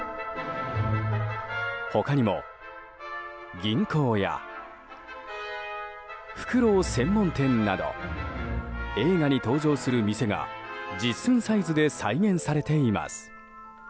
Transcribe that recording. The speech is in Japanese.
他にも、銀行やふくろう専門店など映画に登場する店が実寸サイズで再現されています。